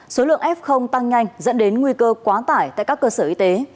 số lượng f tăng nhanh dẫn đến nguy cơ quá tải tại các cơ sở y tế